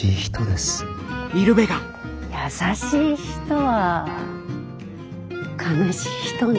優しい人は悲しい人ね。